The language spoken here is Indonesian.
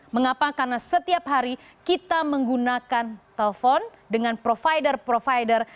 mengapa karena setiap hari kita menggunakan telepon dengan provider provider